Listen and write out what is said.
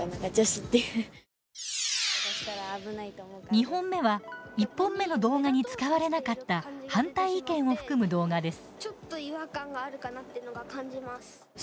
２本目は、１本目の動画に使われなかった反対意見を含む動画です。